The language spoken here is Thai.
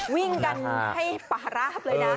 วิ่งกันให้ป่าราบเลยนะ